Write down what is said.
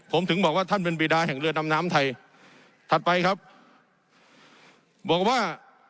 ผมถึงบอกว่าท่านเป็นบีดาแห่งเรือดำน้ำไทยถัดไปครับบอกว่า